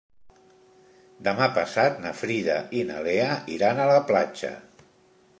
Demà passat na Frida i na Lea iran a la platja.